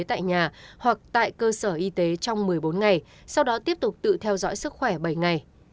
tại nhà hoặc tại cơ sở y tế trong một mươi bốn ngày sau đó tiếp tục tự theo dõi sức khỏe bảy ngày